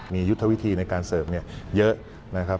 มียุทธวิธีในการเสิร์ฟเยอะนะครับ